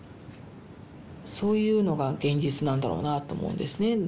そういうのが現実なんだろうなと思うんですね。